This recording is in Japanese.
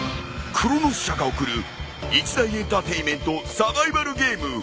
［クロノス社が送る一大エンターテインメントサバイバルゲーム］